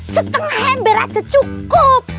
setengah ember aja cukup